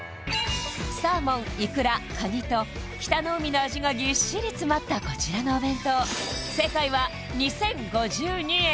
サーモンいくらカニと北の海の味がぎっしり詰まったこちらのお弁当正解は２０５２円